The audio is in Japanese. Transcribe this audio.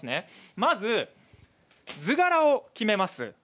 まず図柄を決めます。